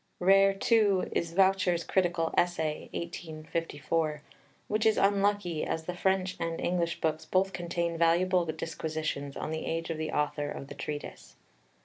Rare, too, is Vaucher's critical essay (1854), which is unlucky, as the French and English books both contain valuable disquisitions on the age of the author of the Treatise.